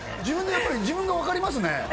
自分でやっぱり自分が分かりますね